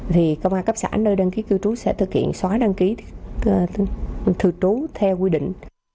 thì công an cấp xã nơi đăng ký cư trú sẽ thực hiện xóa đăng ký thường trú theo quy định